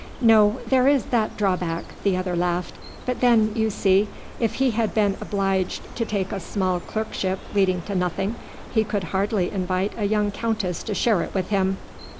"No, there is that drawback," the other laughed. "But then, you see, if he had been obliged to take a small clerkship leading to nothing, he could hardly invite a young countess to share it with him."